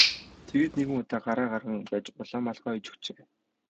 Тэгээд нэгэн удаа гараа гарган байж улаан малгай оёж өгчээ.